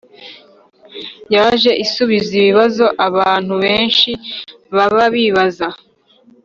yaje isubiza ibibazo abantu benshi baba bibaza.